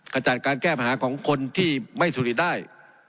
ขจัดการแก้ปัญหาของคนที่ไม่สุริได้